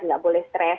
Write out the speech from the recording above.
tidak boleh stress